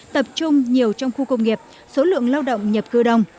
tập trung nhiều trong khu công nghiệp số lượng lao động nhập cư đông